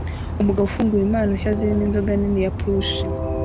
Umugabo ufungura impano nshya zirimo inzoga nini ya plush